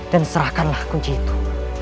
dan serahkanlah kunci itu